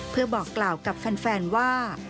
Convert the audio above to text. เพื่อบอกกล่าวกับแฟนว่า